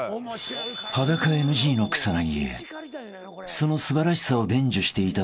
［裸ＮＧの草薙へその素晴らしさを伝授していたときのこと］